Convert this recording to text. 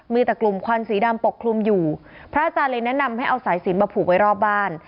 มีแต่กลุ่มควันสีดำปกคลุมอยู่พระอาจารย์เลยแนะนำให้เอาสายสินมาผูกไว้รอบบ้าน